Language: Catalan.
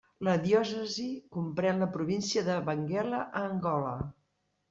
La diòcesi comprèn la província de Benguela a Angola.